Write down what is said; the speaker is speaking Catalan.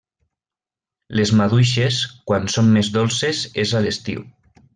Les maduixes, quan són més dolces és a l'estiu.